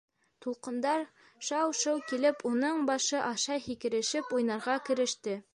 Тулҡындар шау-шыу килеп уның башы аша һикерешеп уйнарға кереште.